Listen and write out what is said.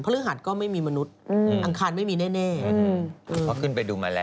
พระฤหัสก็ไม่มีมนุษย์อังคารไม่มีแน่